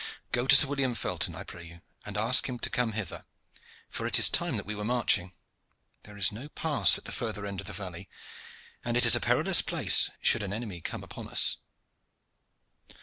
Go to Sir William Felton, I pray you, and ask him to come hither, for it is time that we were marching. There is no pass at the further end of the valley, and it is a perilous place should an enemy come upon us."